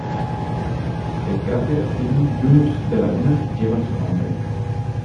El cráter Ibn Yunus de la Luna lleva su nombre.